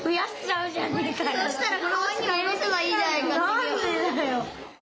なんでだよ！